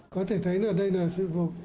có thể thấy đây là sự vô